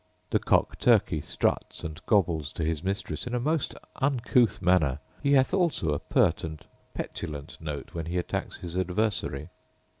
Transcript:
The cock turkey struts and gobbles to his mistress in a most uncouth manner; he hath also a pert and petulant note when he attacks his adversary.